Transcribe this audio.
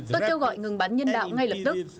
tôi kêu gọi ngừng bắn nhân đạo ngay lập tức